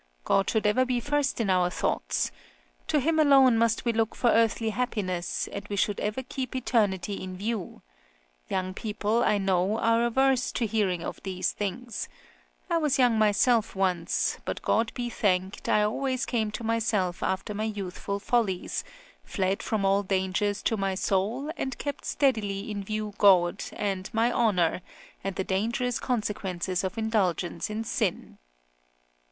God should ever be first in our thoughts! to Him alone must we look for earthly happiness, and we should ever keep eternity in view; young people, I know, are averse to hearing of these things; I was young myself once; but God be thanked, I always came to myself after my youthful follies, fled from all dangers to my soul, and kept steadily in view God, and my honour, and the dangerous consequences of indulgence in sin."